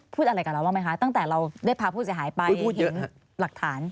พูดอะไรกับเราบ้างไหมคะตั้งแต่เราได้พาผู้เสียหายไปเห็นหลักฐาน